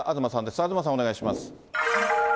東さん、お願いします。